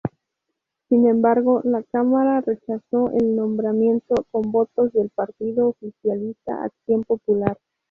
Sin embargo, la cámara rechazó el nombramiento con votos del partido oficialista Acción Popular.